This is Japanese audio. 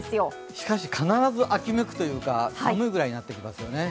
しかし必ず秋めくというか寒いぐらいになってきますよね。